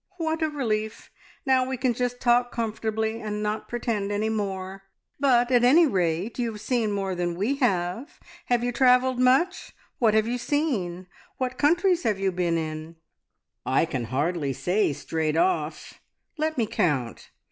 "What a relief! Now we can just talk comfortably, and not pretend any more. But at any rate you have seen more than we have. Have you travelled much? What have you seen? What countries have you been in?" "I can hardly say straight off. Let me count.